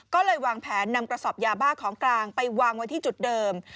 ก็เลยวางแผนนำกระสอบยาบ้าของกลางไปวางไว้ที่จุดเดิม